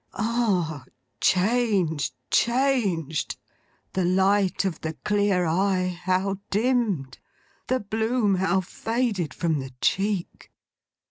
Ah! Changed. Changed. The light of the clear eye, how dimmed. The bloom, how faded from the cheek.